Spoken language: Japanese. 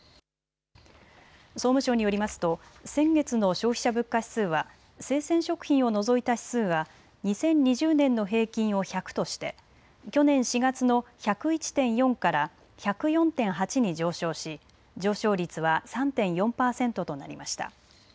総務省によりますと先月の消費者物価指数は生鮮食品を除いた指数が２０２０年の平均を１００として去年４月の１０１．４から１０４．８に上昇し上昇率は３．４％となりました。